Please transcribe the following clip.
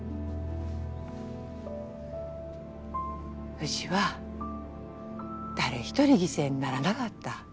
うぢは誰一人犠牲にならながった。